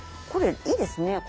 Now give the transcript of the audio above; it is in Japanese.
これいいですね。